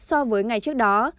so với ngày trước đó